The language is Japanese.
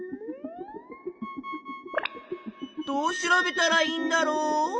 どう調べたらいいんだろう？